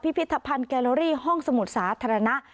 พิธภัณฑ์แกโลรี่ห้องสมุทรสาธารณะ